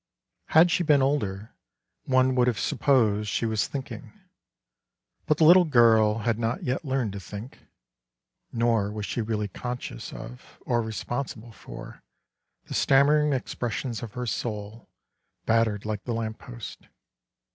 Had she been older, one would have supposed she was thinking, but the little girl had not yet learned to think, nor was she really conscious of or responsible for the stam mering expressions of her soul battered like the lamp post.